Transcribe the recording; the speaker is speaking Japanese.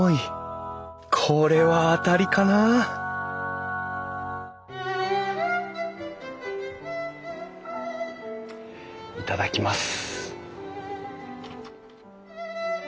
これは当たりかな頂きます。